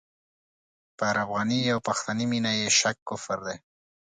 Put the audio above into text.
پر افغاني او پښتني مینه یې شک کفر دی.